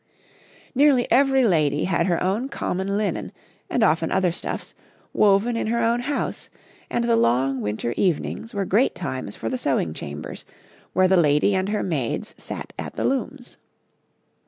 Nearly every lady had her own common linen, and often other stuffs, woven in her own house, and the long winter evenings were great times for the sewing chambers, where the lady and her maids sat at the looms.